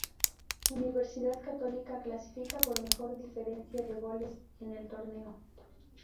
Universidad Católica clasifica por mejor diferencia de goles en el torneo.